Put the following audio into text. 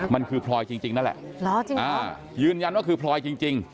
มันคือพลอยจริงนั่นแหละยืนยันว่าคือพลอยจริง